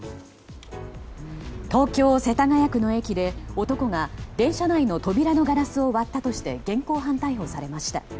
東京・世田谷区の駅で男が電車内の扉のガラスを割ったとして現行犯逮捕されました。